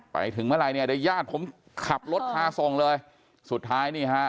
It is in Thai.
ไปถึงเมื่อไหร่เนี่ยเดี๋ยวญาติผมขับรถพาส่งเลยสุดท้ายนี่ฮะ